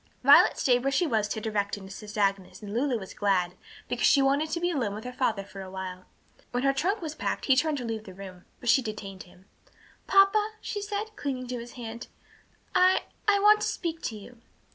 Violet stayed where she was to direct and assist Agnes, and Lulu was glad, because she wanted to be alone with her father for a while. When her trunk was packed he turned to leave the room, but she detained him. "Papa," she said, clinging to his hand, "I I want to speak to you."